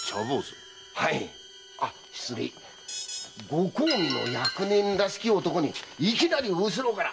ご公儀の役人らしき男にいきなり後ろから！